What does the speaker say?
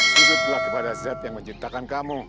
sudutlah kepada zat yang menciptakan kamu